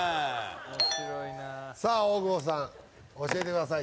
つらいさあ大久保さん教えてください